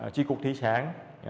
tri cục thị sản